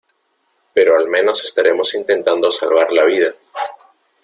pero al menos estaremos intentando salvar la vida.